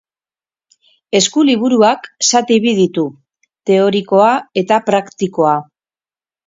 Eskuliburuak zati bi ditu, teorikoa eta praktikoa.